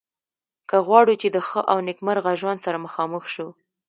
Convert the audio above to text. که غواړو چې د ښه او نیکمرغه ژوند سره مخامخ شو.